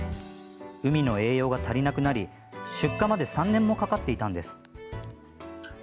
海の栄養が足りなくなり出荷まで３年もかかっていたんです。